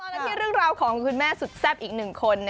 กันที่เรื่องราวของคุณแม่สุดแซ่บอีกหนึ่งคน